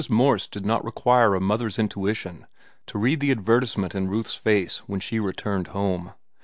Morse did not require a mother's intuition to read the advertisement in Ruth's face when she returned home.